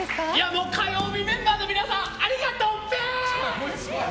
もう火曜日メンバーの皆さんありがトンペー！